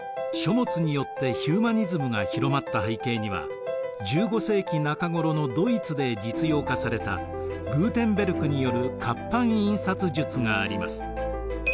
書物によってヒューマニズムが広まった背景には１５世紀中頃のドイツで実用化されたグーテンベルクによる活版印刷術があります。